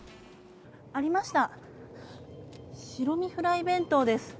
ありました、白身フライ弁当です